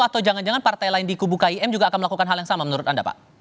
atau jangan jangan partai lain di kubu kim juga akan melakukan hal yang sama menurut anda pak